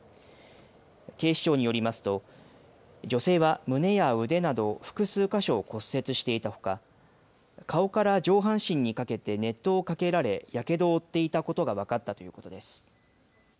警視庁によりますと女性は胸や腕など複数箇所を骨折していたほか顔から上半身にかけて熱湯をかけられ、やけどを負っていたことが分かったということです。